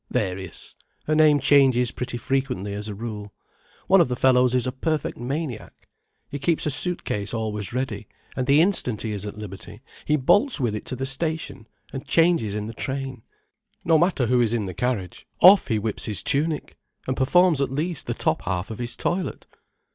"Various. Her name changes pretty frequently, as a rule. One of the fellows is a perfect maniac. He keeps a suit case always ready, and the instant he is at liberty, he bolts with it to the station, and changes in the train. No matter who is in the carriage, off he whips his tunic, and performs at least the top half of his toilet."